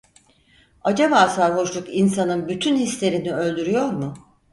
Acaba sarhoşluk insanın bütün hislerini öldürüyor mu?